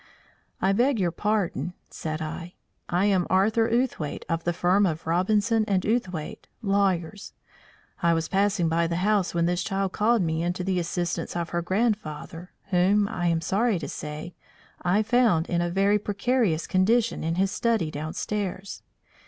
"I beg your pardon," said I, "I am Arthur Outhwaite of the firm of Robinson & Outhwaite, lawyers. I was passing by the house when this child called me in to the assistance of her grandfather whom, I am sorry to say, I found in a very precarious condition in his study downstairs.